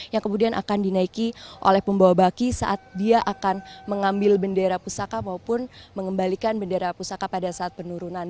yang kemudian akan dinaiki oleh pembawa baki saat dia akan mengambil bendera pusaka maupun mengembalikan bendera pusaka pada saat penurunan